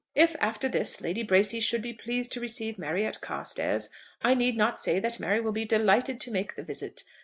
"If, after this, Lady Bracy should be pleased to receive Mary at Carstairs, I need not say that Mary will be delighted to make the visit.